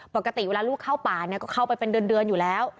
ปกติเวลาลูกเข้าป่าเนี่ยก็เข้าไปเป็นเดือนอยู่แล้ว